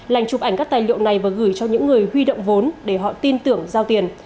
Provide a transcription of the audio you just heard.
lành chụp ảnh các tài liệu này và gửi cho những người huy động vốn để họ tin tưởng giao tiền